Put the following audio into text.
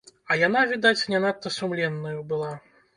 А яна, відаць, не надта сумленнаю была.